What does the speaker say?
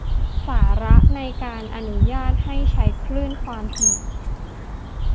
สาระในการอนุญาตให้ใช้คลื่นความถี่